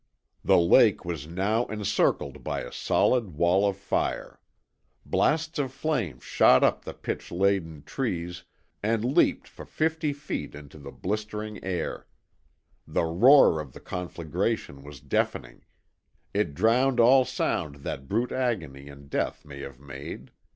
The lake was now encircled by a solid wall of fire. Blasts of flame shot up the pitch laden trees and leapt for fifty feet into the blistering air. The roar of the conflagration was deafening. It drowned all sound that brute agony and death may have made.